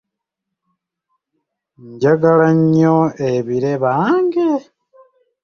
Njagala nnyo ebire bange!